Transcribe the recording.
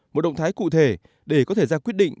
một động thái cụ thể để có thể ra quyết định